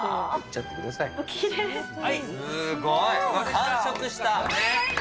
完食したの？